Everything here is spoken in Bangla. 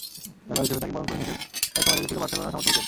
খেলোয়াড় হিসেবে তাঁকে বরণ করে নিতে তাই সময় লেগেছিল বার্সেলোনার সমর্থকদের।